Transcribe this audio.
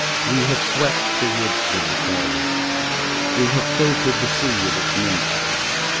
We have swept the woods of the fairies. We have filtered the sea of its nymphs.